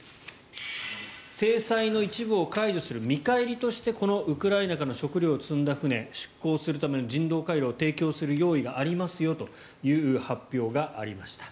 制裁の一部を解除する見返りとしてこのウクライナから食料を積んだ船が出港するための人道回廊を提供する用意がありますよという発表がありました。